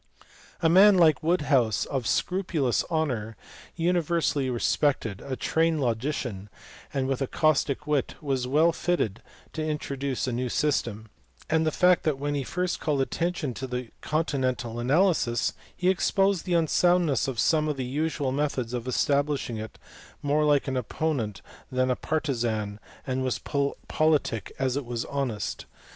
A man like Woodhouse, of scrupulous honour, universally respected, a trained logician, and with a caustic wit, was well fitted to introduce a new system ; and the fact that when he first called attention to the continental analysis, he exposed the unsoundness of some of the usual methods of establishing it more like an opponent than a partizan, was as politic as it was honest.